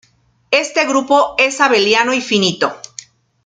Este grupo es abeliano y finito.